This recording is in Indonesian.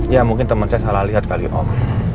ya mungkin temen saya salah liat kali om